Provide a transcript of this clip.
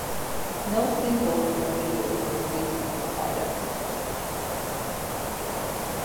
No singles or videos were released from the project.